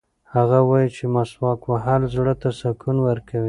هغه وایي چې مسواک وهل زړه ته سکون ورکوي.